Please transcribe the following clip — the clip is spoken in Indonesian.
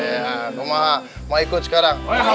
ya rumah mau ikut sekarang